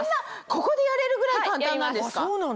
ここでやれるぐらい簡単なんですか？